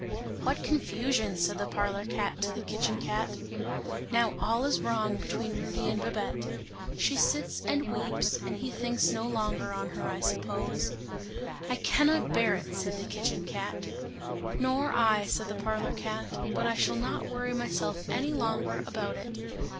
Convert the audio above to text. "What confusion!" said the parlour cat to the kitchen cat. "Now all is wrong between Rudy and Babette. She sits and weeps and he thinks no longer on her, I suppose. "I cannot bear it!" said the kitchen cat. "Nor I," said the parlour cat, "but I shall not worry myself any longer about it!